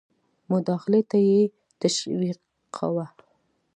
مداخلې ته یې تشویقاوه.